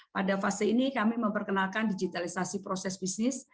pada fase ini kami memperkenalkan digitalisasi proses bisnis